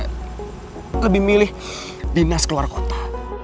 saya lebih milih dinas keluar kota